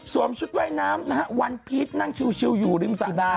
ชุดว่ายน้ำนะฮะวันพีชนั่งชิวอยู่ริมสระดา